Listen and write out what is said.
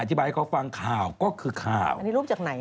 อธิบายให้เขาฟังข่าวก็คือข่าวอันนี้รูปจากไหน